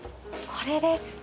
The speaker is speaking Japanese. これです